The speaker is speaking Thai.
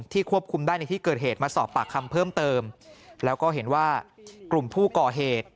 ควบคุมได้ในที่เกิดเหตุมาสอบปากคำเพิ่มเติมแล้วก็เห็นว่ากลุ่มผู้ก่อเหตุ